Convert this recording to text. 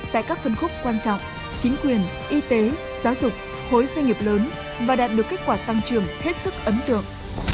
tại các phân khúc quan trọng chính quyền y tế giáo dục khối doanh nghiệp lớn và đạt được kết quả tăng trưởng hết sức ấn tượng